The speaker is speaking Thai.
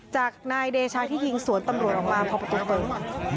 จากนายเดชาที่ยิงสวนตำรวจออกมาพอประตูเบิง